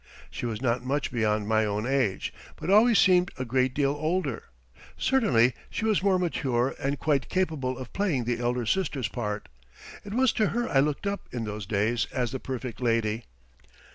She was not much beyond my own age, but always seemed a great deal older. Certainly she was more mature and quite capable of playing the elder sister's part. It was to her I looked up in those days as the perfect lady.